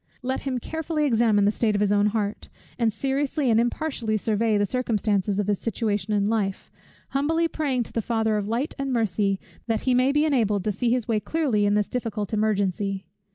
Let him carefully examine the state of his own heart, and seriously and impartially survey the circumstances of his situation in life; humbly praying to the Father of light and mercy, that he may be enabled to see his way clearly in this difficult emergency.